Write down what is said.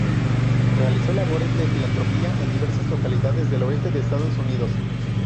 Realizó labores de filantropía en diversas localidades del Oeste de Estados Unidos.